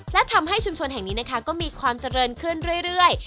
และทำให้ชุมชนแห่งนี้นะคะก็มีความเจริญขึ้นเรื่อย